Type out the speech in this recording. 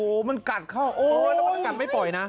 โอ้ยมันกัดเข้าโอ้ยกัดไม่ปล่อยน่ะ